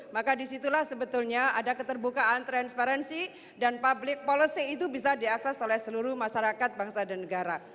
maka disitulah sebetulnya ada keterbukaan transparansi dan public policy itu bisa diakses oleh seluruh masyarakat bangsa dan negara